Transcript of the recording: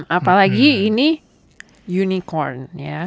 apalagi ini unicorn ya